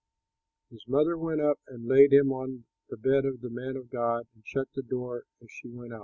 His mother went up and laid him on the bed of the man of God, and shut the door as she went out.